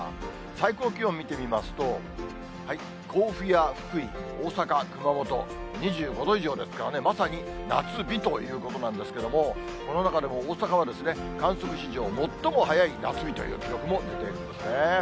最高気温見てみますと、甲府や福井、大阪、熊本２５度以上ですからね、まさに夏日ということなんですけれども、この中でも大阪は、観測史上最も早い夏日という記録も出ているんですね。